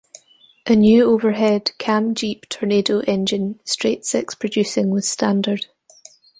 A new overhead cam Jeep Tornado engine straight-six producing was standard.